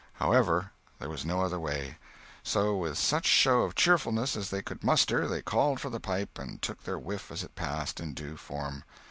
However, there was no other way; so with such show of cheerfulness as they could muster they called for the pipe and took their whiff as it passed, in due form.